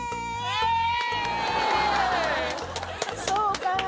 そうか。